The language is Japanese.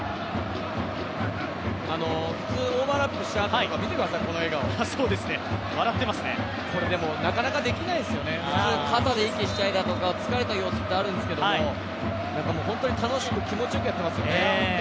普通オーバーラップしたあととか、見てください、この笑顔、これ、なかなかできないですよ普通、肩で息しちゃったり疲れた様子ってあるんですけど本当に楽しく、気持ちよくやっていますよね。